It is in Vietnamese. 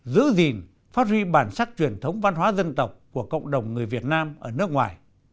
giữ gìn phát huy bản sắc truyền thống văn hóa dân tộc của cộng đồng người việt nam ở nước ngoài